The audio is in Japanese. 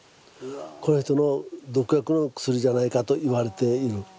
これはその毒薬の薬じゃないかと言われている。